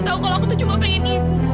tidak tahu kalau aku itu cuma ingin ibu